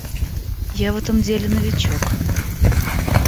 Я в этом деле новичок.